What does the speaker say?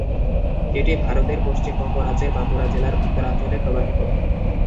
এটি ভারতের পশ্চিমবঙ্গ রাজ্যের বাঁকুড়া জেলার উত্তরাঞ্চলে প্রবাহিত।